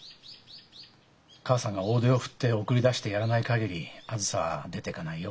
母さんが大手を振って送り出してやらない限りあづさは出てかないよ。